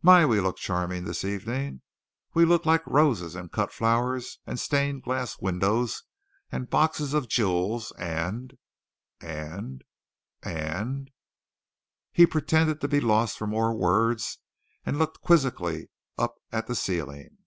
My, we look charming this evening! We look like roses and cut flowers and stained glass windows and boxes of jewels, and, and, and " He pretended to be lost for more words and looked quizzically up at the ceiling.